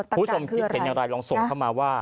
คุณผู้ชมคิดเห็นอย่างไรลองส่งเข้ามาว่า